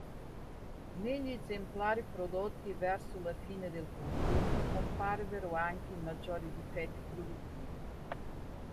Negli esemplari prodotti verso la fine del conflitto comparvero anche i maggiori difetti produttivi.